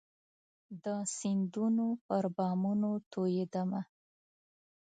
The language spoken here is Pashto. د سیندونو پر بامونو توئيدمه